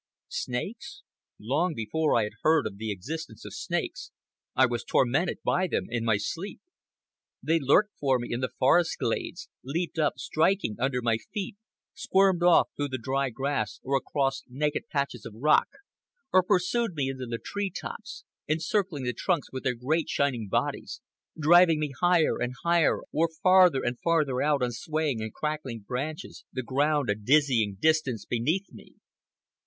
Snakes? Long before I had heard of the existence of snakes, I was tormented by them in my sleep. They lurked for me in the forest glades; leaped up, striking, under my feet; squirmed off through the dry grass or across naked patches of rock; or pursued me into the tree tops, encircling the trunks with their great shining bodies, driving me higher and higher or farther and farther out on swaying and crackling branches, the ground a dizzy distance beneath me.